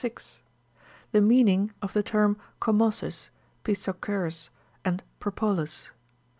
THE MEANING OF THE TEEMS COMMOSIS, PISSO CEEOS, AND PEOPOLIS.